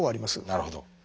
なるほど。